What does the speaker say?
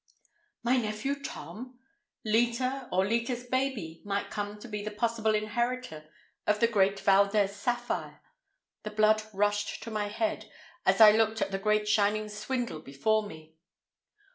My nephew Tom! Leta, or Leta's baby, might come to be the possible inheritor of the great Valdez sapphire! The blood rushed to my head as I looked at the great shining swindle before me.